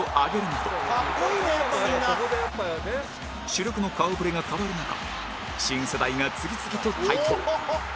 主力の顔ぶれが変わる中新世代が次々と台頭